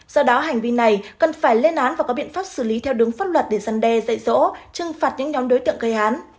do đó hành vi này cần phải lên án và có biện pháp xử lý theo đúng pháp luật để giăn đe dạy dỗ trừng phạt những nhóm đối tượng gây án